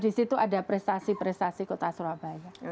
disitu ada prestasi prestasi kota surabaya